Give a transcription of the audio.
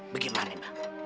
bagaimana ya pak